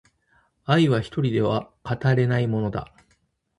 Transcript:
愛は一人では語れないものだ